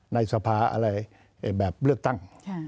ในสภาอะไรแบบเลือกตั้ง